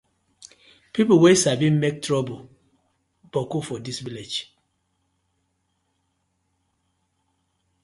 Pipu wey sabi mak toruble boku for dis villag.